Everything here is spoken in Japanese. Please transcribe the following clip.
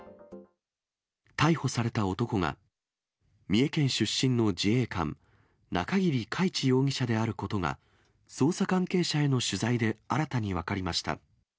逮捕された男が、三重県出身の自衛官、中桐海知容疑者であることが、捜査関係者への取材で新たに分かりました。